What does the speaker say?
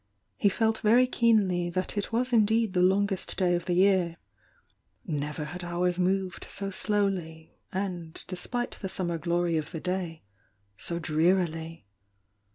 He felt very keenly that it was indeed the longest day of the year; never had hours moved so slowly, and de spite the summer glory of the day,— so drearily.